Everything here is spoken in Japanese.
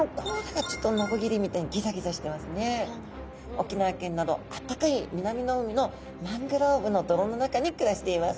沖縄県などあったかい南の海のマングローブの泥の中に暮らしています。